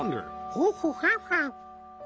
ホホハハ。